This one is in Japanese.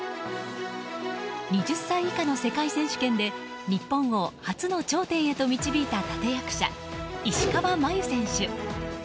２０歳以下の世界選手権で日本を初の頂点へと導いた立役者、石川真佑選手。